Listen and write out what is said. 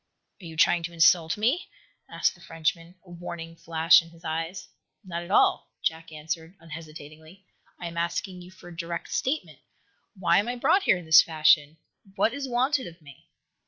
"Are you trying to insult me?" asked the Frenchman, a warning flash in his eyes. "Not at all," Jack answered, unhesitatingly. "I am asking you for a direct statement. Why am I brought here in this fashion? What is wanted of me?"